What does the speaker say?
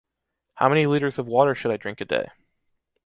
How many liters of water should I drink a day?